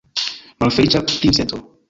Malfeliĉa princeto!